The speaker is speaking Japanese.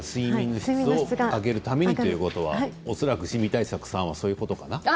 睡眠の質を上げるためにということは、恐らくシミ対策さんはそういうことかな。